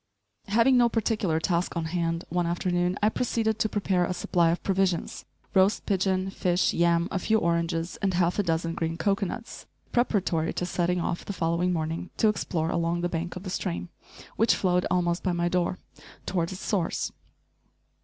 Having no particular task on hand, one afternoon I proceeded to prepare a supply of provisions, roast pigeon, fish, yam, a few oranges and half a dozen green cocoanuts, preparatory to setting off, the following morning, to explore along the bank of the stream, which flowed almost by my door, toward its source.